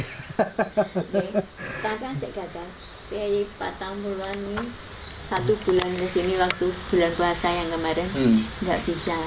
oke kakak asik kata piyai patah mula ini satu bulan kesini waktu bulan puasa yang kemarin nggak bisa